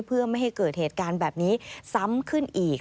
เพื่อไม่ให้เกิดเหตุการณ์แบบนี้ซ้ำขึ้นอีก